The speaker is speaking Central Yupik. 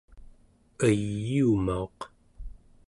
eyiumauq